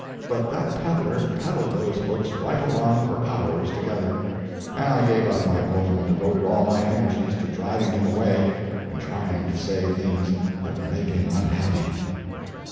But that peddler peddled those books right along for hours together, and I gave up my poem and devoted all my energies to driving him away and trying to say things that would make him unhappy.